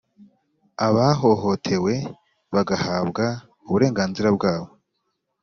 abahohotewe bagahabwa uburenganzira bwabo.